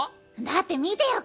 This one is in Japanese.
だって見てよ